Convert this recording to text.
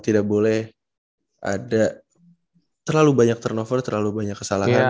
tidak boleh ada terlalu banyak turnover terlalu banyak kesalahan